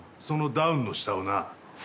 そのダウンの下をな。